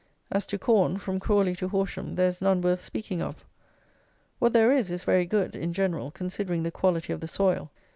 As to corn, from Crawley to Horsham there is none worth speaking of. What there is is very good, in general, considering the quality of the soil.